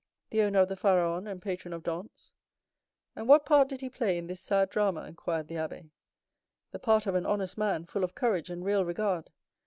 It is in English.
"The owner of the Pharaon and patron of Dantès." "And what part did he play in this sad drama?" inquired the abbé. "The part of an honest man, full of courage and real regard.